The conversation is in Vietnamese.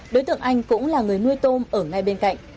đối tượng anh cũng là người nuôi tôm ở ngay bên cạnh